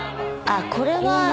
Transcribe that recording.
あっこれは。